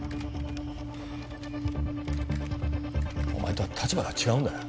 お前とは立場が違うんだよ